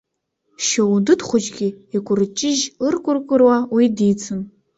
Шьоудыд хәыҷгьы икәырҷыжь ыркәыркәыруа уи дицын.